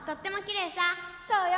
そうよ。